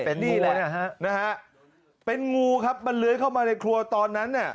เป็นงูนะฮะเป็นงูครับมันเลยเข้ามาในครัวตอนนั้น